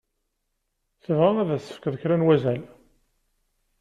Tebɣa ad s-tefkeḍ kra n wazal.